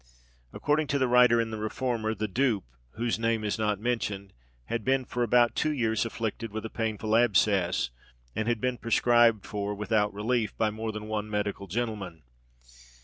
According to the writer in the Reformer, the dupe, whose name is not mentioned, had been for about two years afflicted with a painful abscess, and had been prescribed for without relief by more than one medical gentleman.